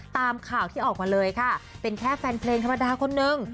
ตามข่าวที่ออกมาเลยค่ะเป็นแค่แฟนเพลงธรรมดาคนนึง